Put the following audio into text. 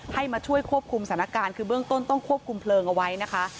ให้มาช่วยควบคุมสถานการณ์คือเบื้องต้นต้องควบคุมเพลิงเอาไว้นะคะ